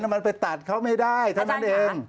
มันไปตัดเขาไม่ได้ท่านอาจารย์อิง